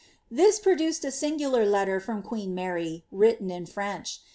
This produced a singular letter from queen Mary, written in French.